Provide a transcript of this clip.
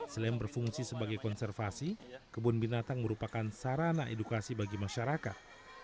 selain berfungsi sebagai konservasi kebun binatang merupakan sarana edukasi bagi masyarakat